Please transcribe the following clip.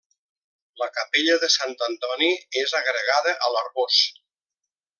La Capella de Sant Antoni és agregada a l'Arboç.